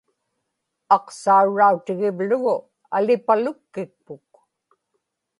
aqsaurrautigivlugu alipalukkikpuk